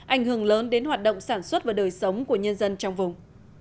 ảnh hưởng lớn đến hoạt động sản xuất và đời sống của nhân dân trong vùng